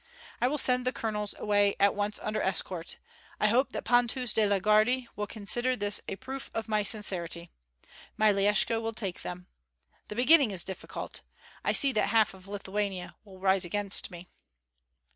I will send the colonels away at once under escort; I hope that Pontus de la Gardie will consider this a proof of my sincerity. Myeleshko will take them. The beginning is difficult. I see that half Lithuania will rise against me."